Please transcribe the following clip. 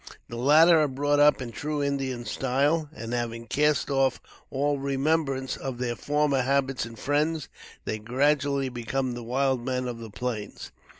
The latter are brought up in true Indian style, and, having cast off all remembrance of their former habits and friends, they gradually become the wild men of the plains.